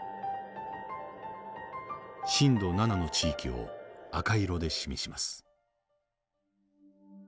震度７の地域を赤色で示します。